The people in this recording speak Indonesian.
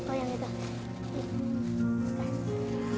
oh yang itu